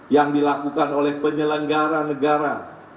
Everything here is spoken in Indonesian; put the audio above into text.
yang dilakukan oleh penyelenggara negara